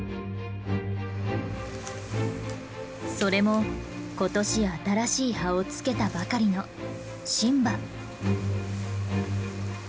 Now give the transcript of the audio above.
それも今年新しい葉をつけたばかりの新葉。